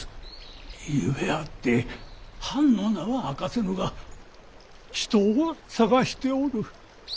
ゆえあって藩の名は明かせぬが人を捜しておる。